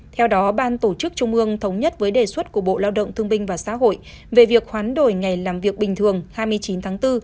theo đó ban tổ chức trung ương thống nhất với đề xuất của bộ lao động thương binh và xã hội về việc hoán đổi ngày làm việc bình thường hai mươi chín tháng bốn